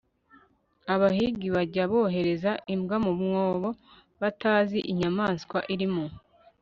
abahigi bajya bohereza imbwa mu mwobo batazi inyamaswa irimo